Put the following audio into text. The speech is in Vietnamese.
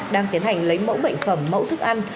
đang tiến hành lấy mẫu bệnh phẩm mẫu thức ăn